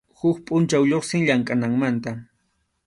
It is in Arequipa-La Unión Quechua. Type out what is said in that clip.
Huk pʼunchaw lluqsin llamkʼananmanta.